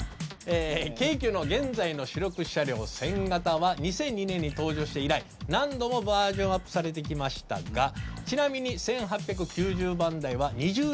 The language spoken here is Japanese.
京急の現在の主力車両１０００形は２００２年に登場して以来何度もバージョンアップされてきましたがちなみに１８９０番台は２０次車